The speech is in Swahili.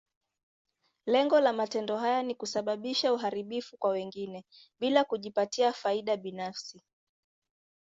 Lengo la matendo haya ni kusababisha uharibifu kwa wengine, bila kujipatia faida binafsi.